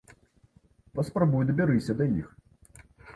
Паспрабуй дабярыся да іх.